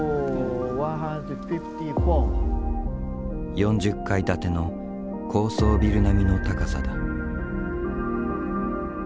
４０階建ての高層ビル並みの高さだ。